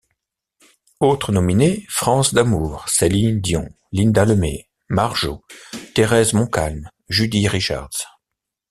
Autres nominées: France D'Amour, Céline Dion, Lynda Lemay, Marjo, Térez Montcalm, Judi Richards.